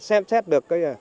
xem xét được